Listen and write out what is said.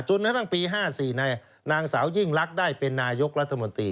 กระทั่งปี๕๔นางสาวยิ่งลักษณ์ได้เป็นนายกรัฐมนตรี